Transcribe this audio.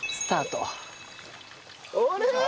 あれ？